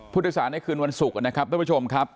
ผู้โดยสารในคืนวันศุกร์นะครับทุกผู้ชมครับ